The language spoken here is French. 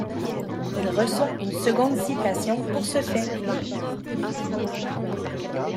Il reçoit une seconde citation pour ce fait.